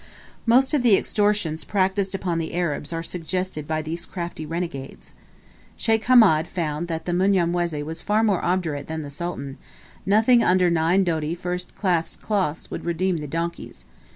Most of the extortions practised upon the Arabs are suggested by these crafty renegades. Sheikh Hamed found that the Mnyamwezi was far more obdurate than the Sultan nothing under nine doti first class cloths would redeem the donkeys.